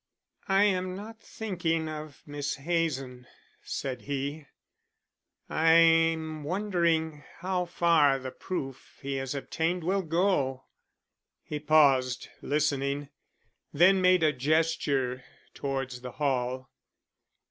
"I am not thinking of Miss Hazen," said he. "I'm wondering how far the proof he has obtained will go." He paused, listening, then made a gesture towards the hall.